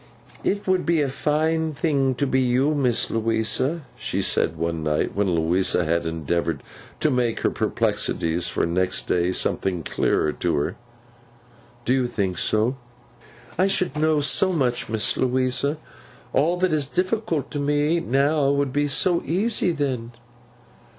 'It would be a fine thing to be you, Miss Louisa!' she said, one night, when Louisa had endeavoured to make her perplexities for next day something clearer to her. 'Do you think so?' 'I should know so much, Miss Louisa. All that is difficult to me now, would be so easy then.